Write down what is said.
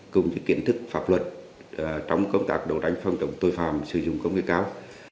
cùng với kiện thức phạm luật trong công tác đổ đánh phòng trọng tuệ phạm sử dụng công nghệ cao